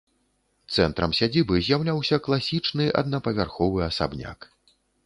Цэнтрам сядзібы з'яўляўся класічны аднапавярховы асабняк.